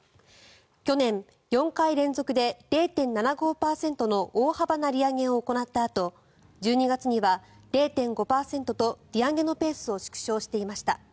去年、４回連続で０．７５％の大幅な利上げを行ったあと１２月には０．５％と利上げのペースを縮小していました。